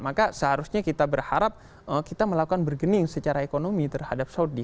maka seharusnya kita berharap kita melakukan bergening secara ekonomi terhadap saudi